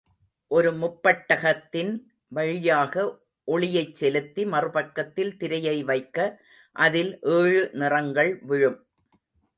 ஒரு முப்பட்டகத்தின் வழியாக ஒளியைச் செலுத்தி, மறுபக்கத்தில் திரையை வைக்க, அதில் ஏழு நிறங்கள் விழும்.